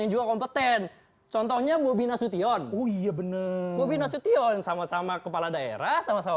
yang juga kompeten contohnya bobi nasution oh iya bener bobi nasution sama sama kepala daerah sama sama